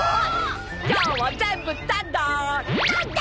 今日は全部タダ！